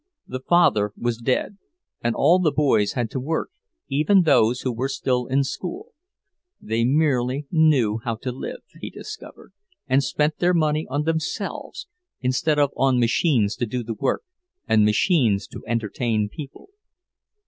The father was dead, and all the boys had to work, even those who were still in school. They merely knew how to live, he discovered, and spent their money on themselves, instead of on machines to do the work and machines to entertain people.